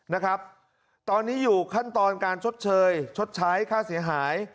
นะครับตอนนี้อยู่ขั้นตอนการชดเชยชดใช้ค่าเสียหาย